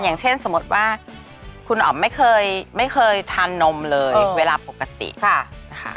อย่างเช่นสมมุติว่าคุณอ๋อมไม่เคยทานนมเลยเวลาปกตินะคะ